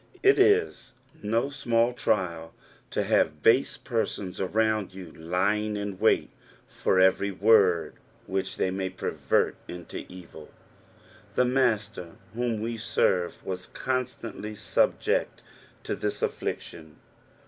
It is no small trial to have base persons around you lying in wait for every word which they may pervert into evil. The Master whom we serve was constantly subject to this atniction.